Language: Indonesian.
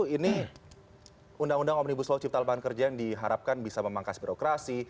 ini undang undang omnibus law cipta lebah kerja yang diharapkan bisa memangkas birokrasi